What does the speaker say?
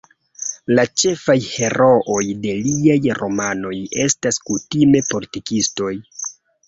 La ĉefaj herooj de liaj romanoj estas kutime politikistoj.